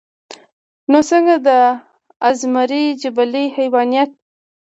نو څنګه د ازمري جبلي حېوانيت